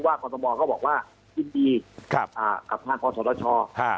กับทางพ่อสวทชเราทำเรื่องนี้เพื่อประโยชน์ของสาธารณะ